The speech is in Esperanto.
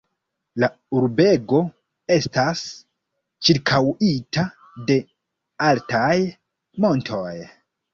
La urbego estas ĉirkaŭita de altaj montoj.